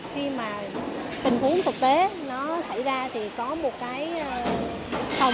khi mà tình huống thực tế nó xảy ra thì có một cái phòng